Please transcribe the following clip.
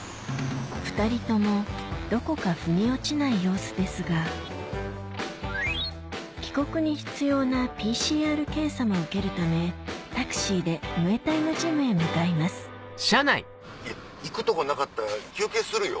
２人ともどこかふに落ちない様子ですが帰国に必要なＰＣＲ検査も受けるためタクシーでムエタイのジムへ向かいます行くとこなかったら休憩するよ。